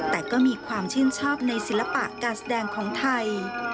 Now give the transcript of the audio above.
แต่ก็มีความชื่นชอบในศิลปะการแสดงของไทย